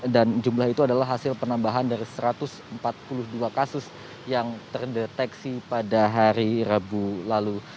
dan jumlah itu adalah hasil penambahan dari satu ratus empat puluh dua kasus yang terdeteksi pada hari rabu lalu